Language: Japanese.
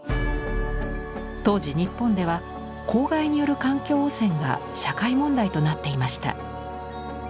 当時日本では公害による環境汚染が社会問題となっていました。